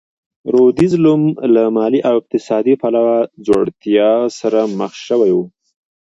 لوېدیځ روم له مالي او اقتصادي پلوه ځوړتیا سره مخ شوی و.